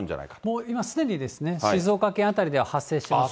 もう今すでに静岡県辺りでは発生しています。